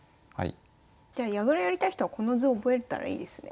じゃあ矢倉やりたい人はこの図を覚えたらいいですね。